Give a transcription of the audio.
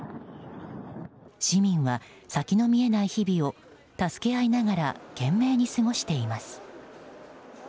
市民は先の見えない日々を助け合いながら懸命に過ごしています。